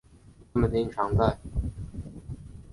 他们经常在萨拉班德舞曲和基格舞曲中增加新的内容。